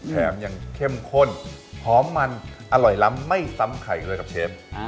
แถมยังเข้มข้นหอมมันอร่อยล้ำไม่ซ้ำไข่อีกเลยกับเชฟ